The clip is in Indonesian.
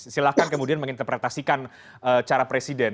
silahkan kemudian menginterpretasikan cara presiden